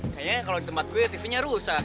kayaknya kalau di tempat gue tv nya rusak